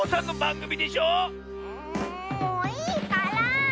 んもういいから。